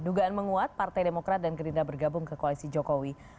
dugaan menguat partai demokrat dan gerindra bergabung ke koalisi jokowi